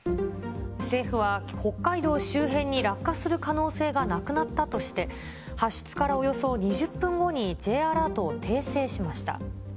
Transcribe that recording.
政府は北海道周辺に落下する可能性がなくなったとして、発出からおよそ２０分後にＪアラートを訂正しました。